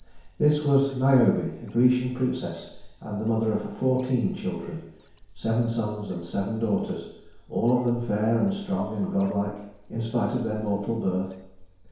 This was Niobe, a Grecian princess and the mother of fourteen children, seven sons and seven daughters, all of them fair and strong and godlike in spite of their mortal birth.